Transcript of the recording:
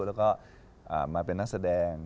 แล้วก็มาเป็นนักแสดง